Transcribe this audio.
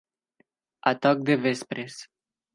A toc de vespres.